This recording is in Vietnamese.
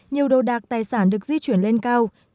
nhiều đồ đạc tài sản được di chuyển lên cao